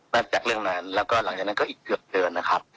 จากเรื่องนั้นแล้วก็หลังจากนั้นก็อีกเกือบเดือนนะครับ